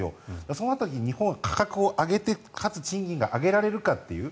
そうなった時に日本は価格を上げてかつ、賃金が上げられるかっていう。